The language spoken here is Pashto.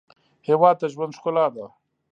هېواد د ژوند ښکلا ده.